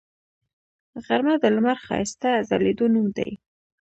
غرمه د لمر ښایسته ځلیدو نوم دی